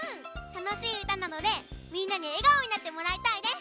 たのしいうたなのでみんなにえがおになってもらいたいです！